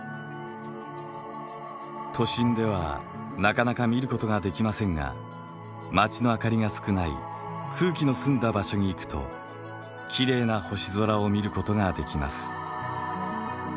都心ではなかなか見ることができませんが街の灯りが少ない空気の澄んだ場所に行くときれいな星空を見ることができます。